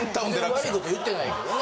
悪いこと言ってないけどね。